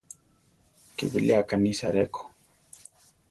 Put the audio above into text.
Ké bilé akánisa ré ko.